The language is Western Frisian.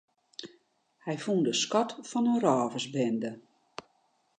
Hy fûn de skat fan in rôversbinde.